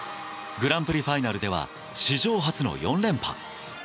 グランプリファイナルでは史上初の４連覇。